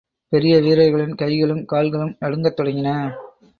பெரிய வீரர்களின் கைகளும், கால்களும் நடுங்கத் தொடங்கின.